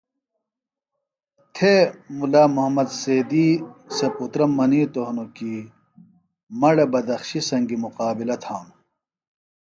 تھےۡ مُلا محمد سیدی سےۡ پُترہ منِیتوۡ ہِنوۡ کیۡ مہ ڑے بدخشیۡ سنگیۡ مقابلہ تھانوۡ